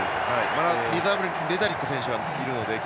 まだリザーブに今日はレタリック選手がいるので。